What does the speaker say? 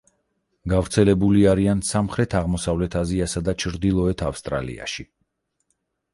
გავრცელებული არიან სამხრეთ-აღმოსავლეთ აზიასა და ჩრდილოეთ ავსტრალიაში.